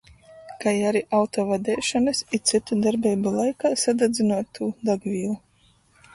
Kai ari auto vadeišonys i cytu darbeibu laikā sadadzynuotū dagvīlu.